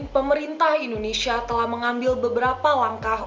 pemerintah indonesia telah mengambil beberapa langkah